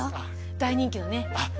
大人気のね。